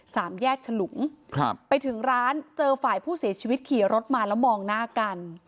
สามแยกฉลุงครับไปถึงร้านเจอฝ่ายผู้เสียชีวิตขี่รถมาแล้วมองหน้ากัน